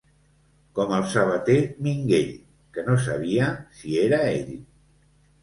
Com el sabater Minguell, que no sabia si era ell.